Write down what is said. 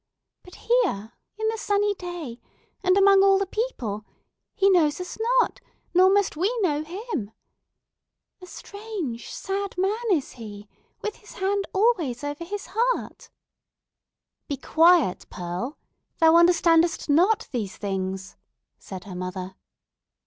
But, here, in the sunny day, and among all the people, he knows us not; nor must we know him! A strange, sad man is he, with his hand always over his heart!" "Be quiet, Pearl—thou understandest not these things," said her mother.